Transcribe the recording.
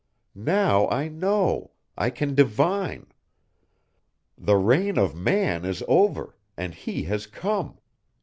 Now I know, I can divine. The reign of man is over, and he has come.